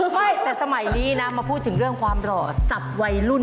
ไม่แต่สมัยนี้นะมาพูดถึงเรื่องความหล่อสับวัยรุ่น